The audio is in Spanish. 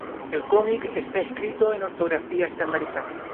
El cómic está escrito en ortografía estandarizada.